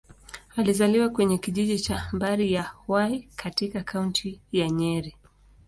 Alizaliwa kwenye kijiji cha Mbari-ya-Hwai, katika Kaunti ya Nyeri.